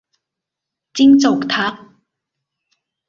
จิ้งจกทัก